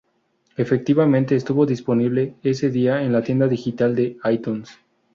Efectivamente, estuvo disponible ese día en la tienda digital de iTunes.